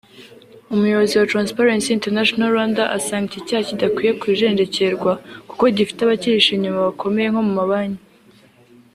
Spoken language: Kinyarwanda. umuyobozi wa ‘Transparency International Rwanda’ asanga iki cyaha kidakwiye kujenjekerwa kuko gifite abacyihishe inyuma bakomeye nko mu mabanki